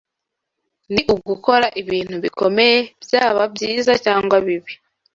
ni ugukora ibintu bikomeye byaba byiza cyangwa bibi